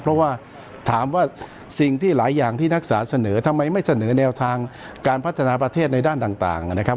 เพราะว่าถามว่าสิ่งที่หลายอย่างที่นักศึกษาเสนอทำไมไม่เสนอแนวทางการพัฒนาประเทศในด้านต่างนะครับ